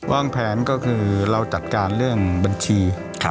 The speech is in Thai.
วางแผนก็คือเราจัดการเรื่องบัญชี